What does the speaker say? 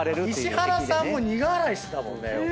石原さんも苦笑いしてた。